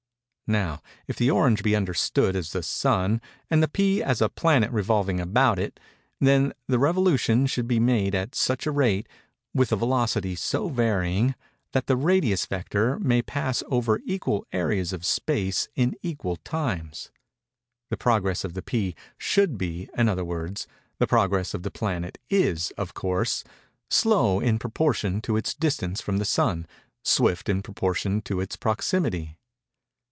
Now, if the orange be understood as the Sun, and the pea as a planet revolving about it, then the revolution should be made at such a rate—with a velocity so varying—that the radius vector may pass over equal areas of space in equal times. The progress of the pea should be—in other words, the progress of the planet is, of course,—slow in proportion to its distance from the Sun—swift in proportion to its proximity.